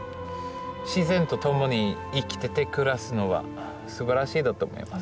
自然と共に生きてて暮らすのはすばらしいだと思いますね。